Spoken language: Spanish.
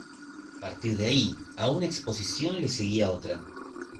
A partir de ahí a una exposición le seguía otra.